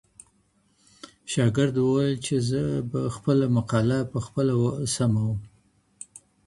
شاګرد وویل چي زه به خپله مقاله پخپله سموم.